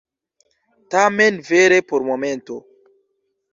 Tamen vere por momento.